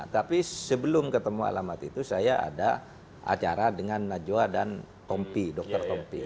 tapi sebelum ketemu alamat itu saya ada acara dengan najwa dan tompi dr tompi